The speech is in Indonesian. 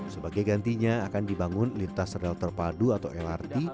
sebagai gantinya akan dibangun lintas rel terpadu atau lrt